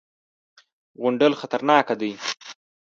_غونډل خطرناکه دی.